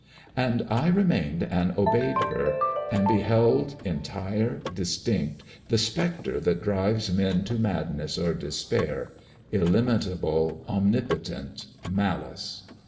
And I remained and obeyed her, and beheld, entire, distinct, the spectre that drives men to madness or despair illimitable omnipotent Malice.